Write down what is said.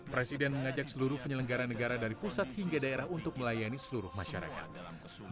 presiden mengajak seluruh penyelenggara negara dari pusat hingga daerah untuk melayani seluruh masyarakat